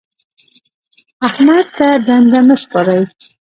احمد ته دنده مه سپارئ.